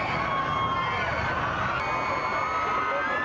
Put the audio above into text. ขอบคุณท่านพี่น้องชาวประกิษนะครับผมขอบคุณท่านพี่น้องชาวประกิษนะครับผม